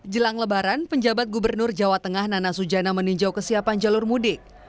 jelang lebaran penjabat gubernur jawa tengah nana sujana meninjau kesiapan jalur mudik